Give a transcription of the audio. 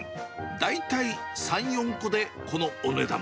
大体３、４個でこのお値段。